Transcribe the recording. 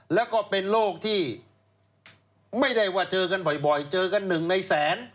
แล้วก็เป็นโรคที่ไม่ได้ว่าเจอกันบ่อยเจอกันหนึ่งในแสน